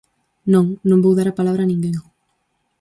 Non, non vou dar a palabra a ninguén.